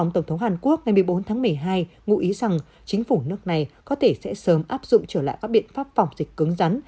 tháng một mươi hai ngụ ý rằng chính phủ nước này có thể sẽ sớm áp dụng trở lại các biện pháp phòng dịch cứng rắn